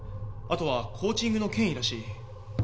あとはコーチングの権威らしい。